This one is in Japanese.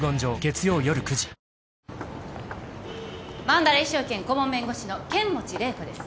マンダレイ証券顧問弁護士の剣持麗子です。